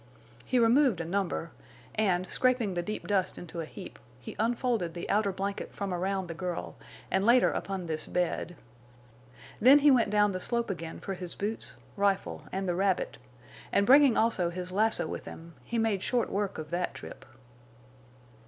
He removed a number, and, scraping the deep dust into a heap, he unfolded the outer blanket from around the girl and laid her upon this bed. Then he went down the slope again for his boots, rifle, and the rabbit, and, bringing also his lasso with him, he made short work of that trip.